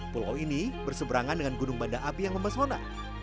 pulau ini berseberangan dengan gunung banda api yang memesona